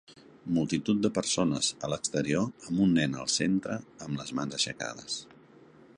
Multitud de persones a l'exterior amb un nen al centre amb les mans aixecades.